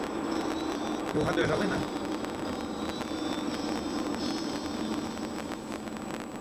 Jo ha dus eigenlik allinne mar elektrisiteitskosten.